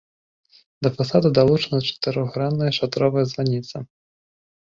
Да фасада далучана чатырохгранная шатровая званіца.